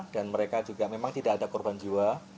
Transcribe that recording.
dan mereka juga memang tidak ada korban jiwa